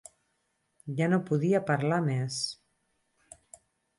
Ja no podia parlar més.